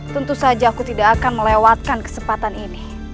tentu saja aku tidak akan melewatkan kesempatan ini